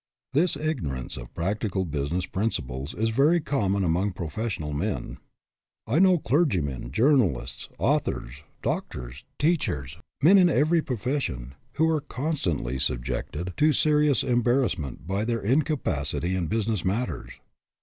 'This ignorance of practical business prin ciples is very common among professional men. I know clergymen, journalists, authors, doctors, teachers, men in every profession, who are constantly subjected to serious em i86 HAD MONEY BUT LOST IT barrassment by their incapacity in business matters.